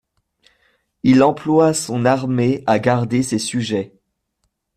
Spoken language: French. Il emploie son armée à garder ses sujets.